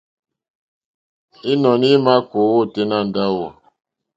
Ínɔ̀ní í mà kòòwá ôténá ndáwù.